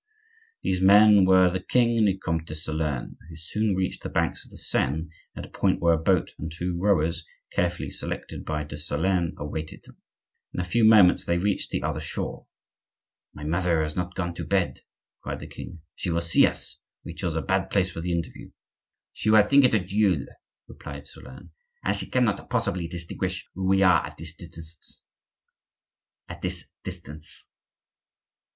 These men were the king and the Comte de Solern, who soon reached the banks of the Seine, at a point where a boat and two rowers, carefully selected by de Solern, awaited them. In a very few moments they reached the other shore. "My mother has not gone to bed," cried the king. "She will see us; we chose a bad place for the interview." "She will think it a duel," replied Solern; "and she cannot possibly distinguish who we are at this distance."